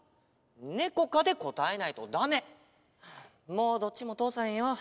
もうどっちもとおさへんよ。